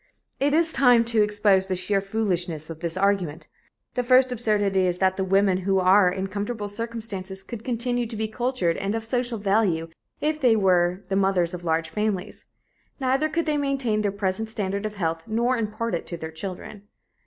It is high time to expose the sheer foolishness of this argument. The first absurdity is that the women who are in comfortable circumstances could continue to be cultured and of social value if they were the mothers of large families. Neither could they maintain their present standard of health nor impart it to their children.